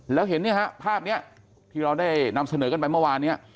แล้วเห็นเนี่ยฮะภาพนี้ที่เราได้นำเสนอกันไปเมื่อวานเนี่ย